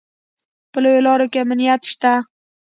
په لویو لارو کې امنیت شته